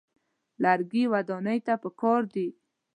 لرګي ودانۍ ته پکار دي.